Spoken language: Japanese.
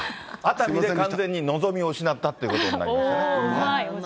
熱海で完全にのぞみを失ったということになりますね。